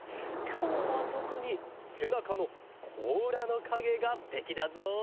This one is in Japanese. きょうはとくにせなかのこうらのかげがすてきだぞ。